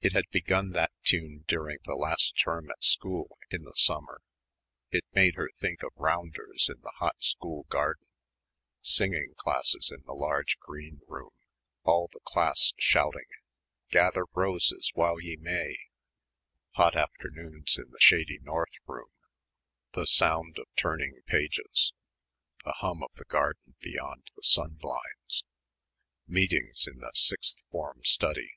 It had begun that tune during the last term at school, in the summer. It made her think of rounders in the hot school garden, singing classes in the large green room, all the class shouting "Gather _ro_ses while ye may," hot afternoons in the shady north room, the sound of turning pages, the hum of the garden beyond the sun blinds, meetings in the sixth form study....